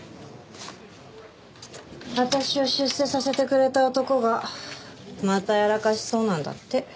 私を出世させてくれた男がまたやらかしそうなんだって。